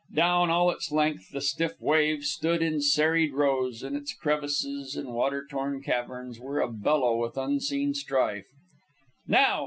Down all its length the stiff waves stood in serried rows, and its crevices and water worn caverns were a bellow with unseen strife. "Now!